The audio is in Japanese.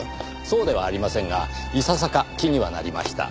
そうではありませんがいささか気にはなりました。